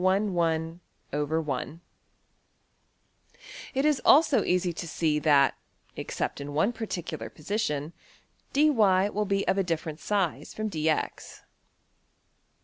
\] It is also easy to see that (except in one particular position) $dy$~will be of a different size from~$dx$.